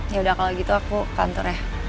yaudah kalau gitu aku ke kantor ya